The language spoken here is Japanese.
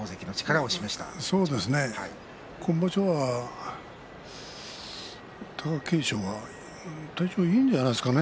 今場所は貴景勝は体調いいんじゃないですかね。